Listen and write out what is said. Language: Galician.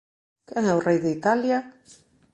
Quen é o rei de Italia?